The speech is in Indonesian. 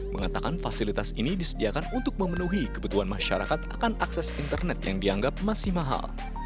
mengatakan fasilitas ini disediakan untuk memenuhi kebutuhan masyarakat akan akses internet yang dianggap masih mahal